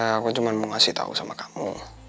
aku cuma mau kasih tau sama kamu